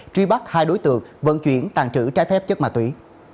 truy bắt hai đối tượng vận chuyển tàn trữ trái phép chất ma túy